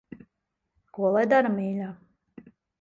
Ko lai dara, mīļā.